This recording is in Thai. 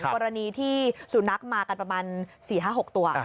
กรณีที่สุนัขมากันประมาณ๔๕๖ตัว